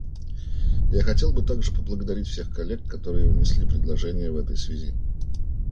Я хотел бы также поблагодарить всех коллег, которые внесли предложения в этой связи.